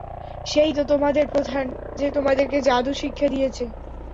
সে-ই তো তোমাদের প্রধান, যে তোমাদেরকে জাদু শিক্ষা দিয়েছে।